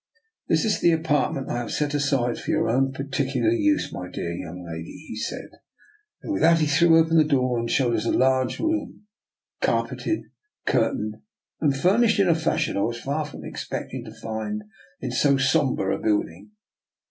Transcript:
" This is the apartment I have set aside for your own particular use, my dear young lady," he said; and with that he threw open the door, and showed us a large room, car peted, curtained, and furnished in a fashion I was far from expecting to find in so sombre a buliding.